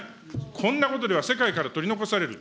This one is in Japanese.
こんなことでは世界から取り残される。